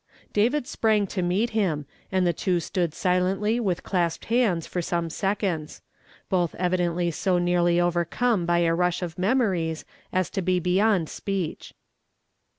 David sprang to meet him, and the two stood silently with clasped hands for some seconds; both evidently so nearly overcome by a rush of mem ories as to be beyond speech.